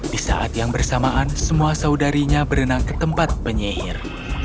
di saat yang bersamaan semua saudarinya berenang ke tempat penyihir